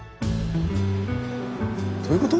どういうこと？